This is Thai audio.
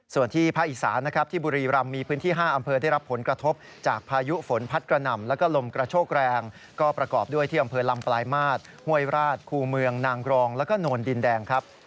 ส่วนที่ภาคอีสานนะครับที่บุรีรำมีพื้นที่๕อำเภอได้รับผลกระทบจากพายุฝนพัดกระหน่ำแล้วก็ลมกระโชกแรงก็ประกอบด้วยที่อำเภอลำปลายมาตรห้วยราชคู่เมืองนางกรองแล้วก็โนนดินแดงครับ